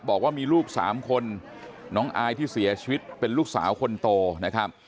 บอกว่ามีลูกสามคนน้องอายที่เสียชีวิตเป็นลูกสาวคนโตนะครับ